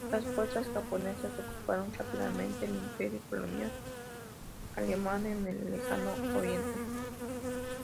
Las fuerzas japonesas ocuparon rápidamente el imperio colonial alemán en el Lejano Oriente.